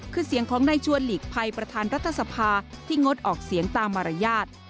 คือเสียงของนายชวนหลีกภัยประธานรัฐสภาที่งดออกเสียงตามมารยาท